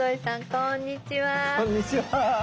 こんにちは。